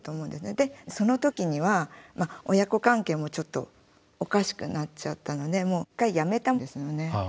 その時には親子関係もちょっとおかしくなっちゃったので一回やめたんですね。